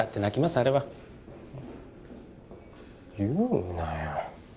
あれは言うなよ